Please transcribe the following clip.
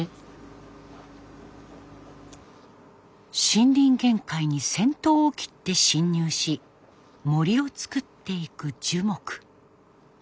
森林限界に先頭を切って侵入し森をつくっていく樹木。